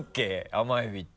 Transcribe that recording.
甘エビって。